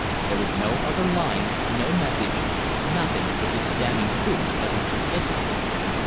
There was no other line, no message, nothing but this damning proof of his duplicity.